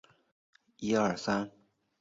杨善人。